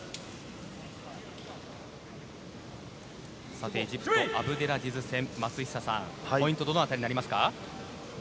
さて、エジプトアブデラジズ戦松久さん、ポイントはどの辺りになりますか？